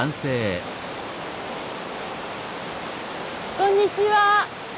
こんにちは。